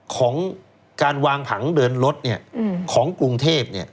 ของการวางผังเดินรถเนี่ยของกรุงเทพฯเนี่ย